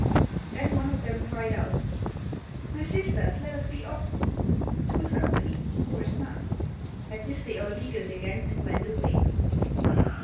Then one of them cried out, "My sisters, let us be off. Two's company, more's none." At this they all giggled again and went away.